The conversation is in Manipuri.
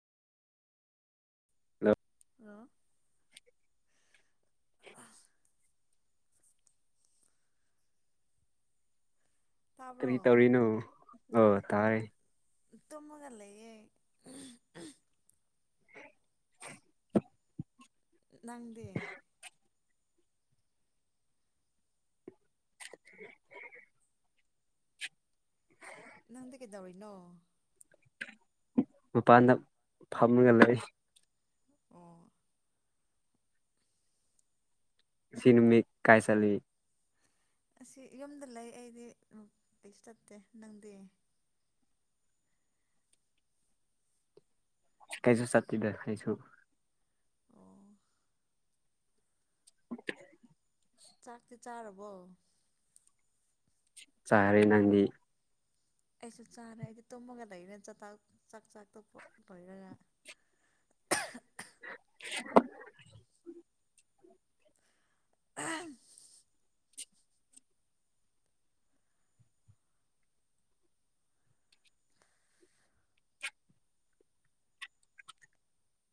ꯍꯜꯂꯣ ꯍꯂꯣ ꯇꯥꯕ꯭ꯔꯣ ꯀꯔꯤ ꯇꯧꯔꯤꯅꯣ ꯑ ꯇꯥꯔꯦ ꯇꯨꯃꯒ ꯂꯩꯌꯦ ꯅꯪꯗꯤ [inaudible] ꯅꯪꯗꯤ ꯀꯩꯗꯧꯔꯤꯅꯣ ꯃꯄꯥꯟꯗ ꯐꯝꯂ ꯂꯩ ꯑꯣ ꯁꯤꯅꯦꯃꯤ ꯀꯥꯏ ꯆꯂꯤ ꯑꯁꯤ ꯌꯨꯝꯗ ꯂꯩ ꯑꯩꯗꯤ ꯀꯩꯁꯨ ꯆꯞꯠꯇꯦ ꯅꯪꯗꯤ ꯀꯩꯁꯨ ꯆꯇꯤꯗ ꯑꯩꯁꯨ ꯑꯣ [inaudible] ꯆꯥꯛꯇꯤ ꯆꯥꯔꯕꯣ ꯆꯥꯔꯦ ꯅꯪꯗꯤ ꯑꯩꯁꯨ ꯆꯥꯔꯦ ꯑꯩꯗꯤ ꯇꯨꯝꯃꯒ ꯂꯩꯔꯦ ꯆꯥꯛ ꯆꯥ ꯇꯣꯛꯄ ꯂꯣꯏꯔꯒ [unintelligible] [unintelligible] ꯑꯍꯝ